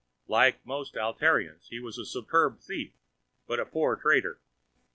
Like most Altairians, he was a superb thief but a poor trader.